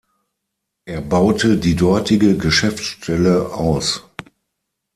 Er baute die dortige Geschäftsstelle aus.